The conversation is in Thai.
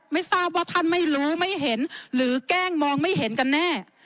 ไม่ทราบว่าท่านไม่รู้ไม่เห็นหรือแกล้งมองไม่เห็นกันแน่